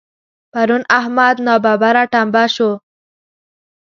پرون احمد ناببره ټمبه شو.